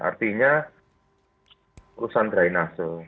artinya urusan drainase